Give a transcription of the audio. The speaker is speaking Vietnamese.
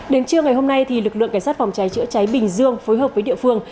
đến trưa ngày hôm nay lực lượng cảnh sát phòng cháy chữa cháy bình dương phối hợp với địa phương